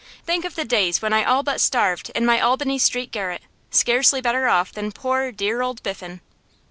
Think of the days when I all but starved in my Albany Street garret, scarcely better off than poor, dear old Biffen!